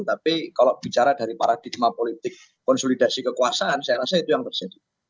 tapi kalau bicara dari paradigma politik konsolidasi kekuasaan saya rasa itu yang terjadi